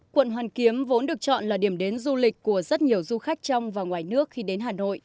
quận hoàn kiếm vốn được chọn là điểm đến du lịch của rất nhiều du khách trong và ngoài nước khi đến hà nội